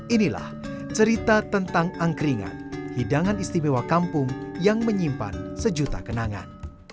inilah cerita tentang angkringan hidangan istimewa kampung yang menyimpan sejuta kenangan